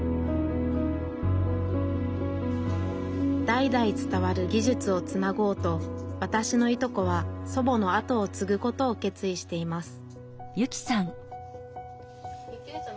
代々伝わる技術をつなごうとわたしのいとこは祖母の後を継ぐことを決意しています